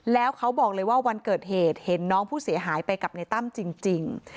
แล้วเขาบอกเลยว่าวันเกิดเหตุเห็นน้องผู้เสียหายไปกับในตั้มจริง